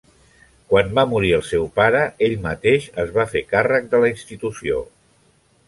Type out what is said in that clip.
Quan va morir el seu pare, ell mateix es va fer càrrec de la institució.